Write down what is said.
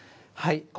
はい。